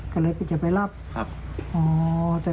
อ๋อกินแค่แก้แพ้๒เมตร